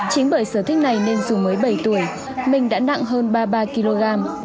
chính bởi sở thích này nên dù mới bảy tuổi mình đã nặng hơn ba mươi ba kg